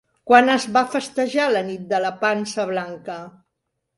Quan es va festejar la Nit de la Pansa blanca?